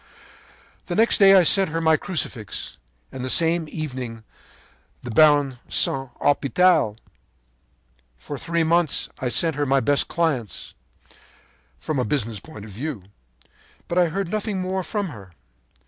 “The next day I sent her my Crucifix, and the same evening the Baron de Saint Hospital. “For three months I sent her my best clients, from a business point of view. But I heard nothing more from her.